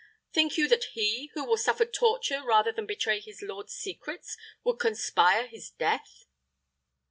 Think you that he, who will suffer torture rather than betray his lord's secrets, would conspire his death?"